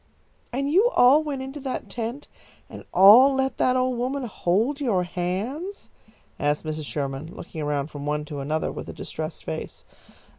"And you all went into that tent and all let that old woman hold your hands?" asked Mrs. Sherman, looking around from one to another with a distressed face.